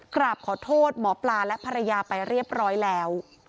กราบขอโทษหมอปลาและภรรยาไปเรียบร้อยแล้ว